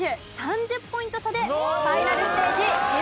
３０ポイント差でファイナルステージ自分イケますけど！